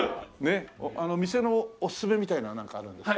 店のおすすめみたいなのはなんかあるんですか？